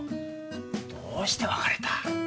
どうして別れた？